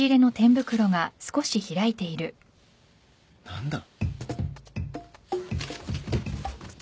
何だ？